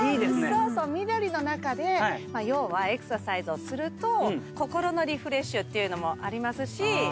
緑の中で要はエクササイズをすると心のリフレッシュっていうのもありますし